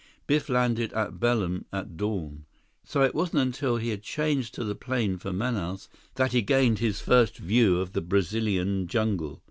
Biff landed in Belem at dawn, so it wasn't until he had changed to the plane for Manaus that he gained his first view of the Brazilian jungle.